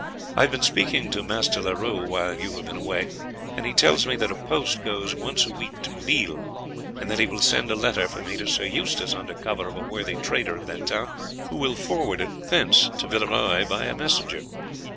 I have been speaking to Master Leroux while you have been away, and he tells me that a post goes once a week to Lille, and that he will send a letter for me to Sir Eustace under cover to a worthy trader of that town, who will forward it thence to Villeroy by a messenger.